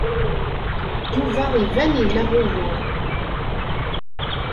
Yuba iban ila ugur.